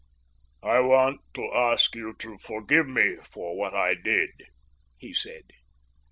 "I want to ask you to forgive me for what I did," he said.